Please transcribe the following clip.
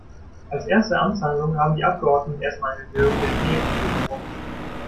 Als erste Amtshandlung haben die Abgeordneten erst mal eine Erhöhung der Diäten durchgewunken.